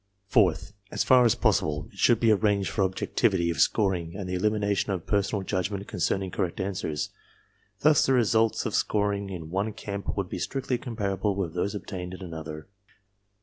Fourth, as far as possible, it should be arranged for MAKING THE TESTS 3 objectivity of scoring and the elimination of personal judgment concerning correct answers; thus the results of scoring in one camp would be strictly comparable with those obtained in/ another.